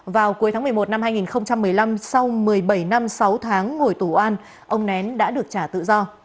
vào cuối tháng một mươi một năm hai nghìn một mươi năm sau một mươi bảy năm sáu tháng ngồi tù an ông nén đã được trả tự do